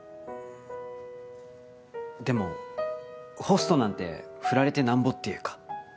でもホストなんて振られてなんぼっていうか。